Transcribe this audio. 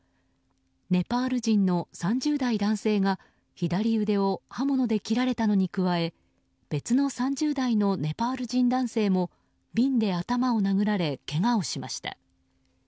ネパール人の３０代男性が左腕を刃物で切られたのに加え別の３０代のネパール人男性も瓶で頭を殴られけがをしました。